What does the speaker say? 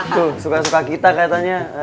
tuh suka suka kita katanya